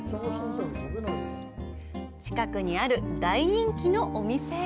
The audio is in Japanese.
近くにある大人気のお店へ。